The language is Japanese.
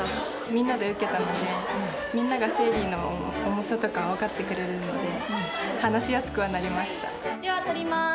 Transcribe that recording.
みんなで受けたので、みんなが生理の重さとかを分かってくれるので、話しやすくはなりました。